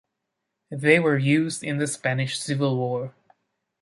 They were used in the Spanish Civil War.